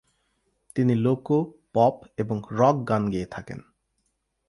তিনি লোক, পপ এবং রক গান গেয়ে থাকেন।